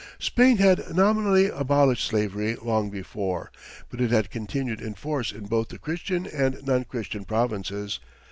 Spain had nominally abolished slavery long before, but it had continued in force in both the Christian and non Christian provinces.